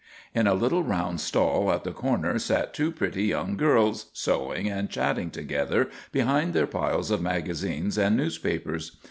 In a little round stall at the corner sat two pretty young girls sewing and chatting together behind their piles of magazines and newspapers.